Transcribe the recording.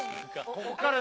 ここから！